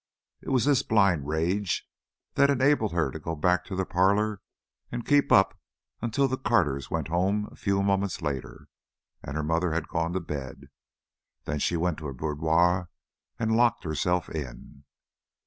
It was this blind rage that enabled her to go back to the parlor and keep up until the Carters went home a few moments later, and her mother had gone to bed. Then she went to her boudoir and locked herself in.